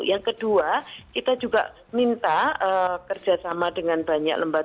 yang kedua kita juga minta kerjasama dengan banyak lembaga